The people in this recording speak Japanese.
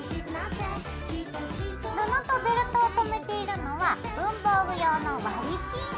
布とベルトをとめているのは文房具用の割りピン。